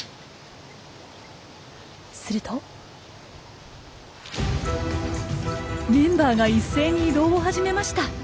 するとメンバーが一斉に移動を始めました。